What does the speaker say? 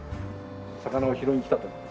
魚を拾いに来たところ。